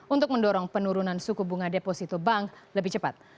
untuk mendorong penurunan suku bunga deposito bank lebih cepat